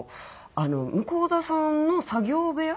向田さんの作業部屋？